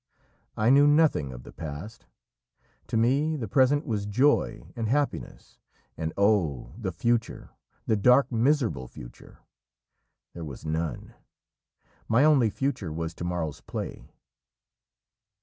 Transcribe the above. I knew nothing of the past, to me the present was joy and happiness, and oh! the future! the dark, miserable future! there was none! My only future was to morrow's play!"